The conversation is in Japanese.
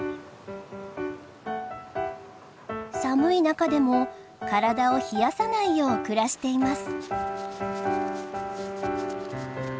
寒い中でも体を冷やさないよう暮らしています。